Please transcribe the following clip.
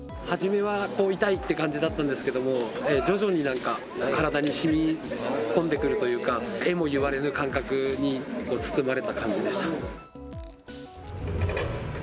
初めは痛いって感じだったんですけれども、徐々になんか、体にしみこんでくるというか、えもいわれぬ感覚に包まれた感じでした。